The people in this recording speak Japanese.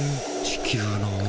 地球の王。